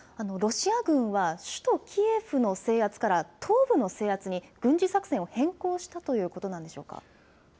ロシア軍は、首都キエフの制圧から、東部の制圧に軍事作戦を変更したということなんでしょうか。